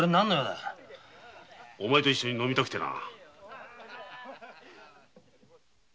お前と一緒に飲みたくてな。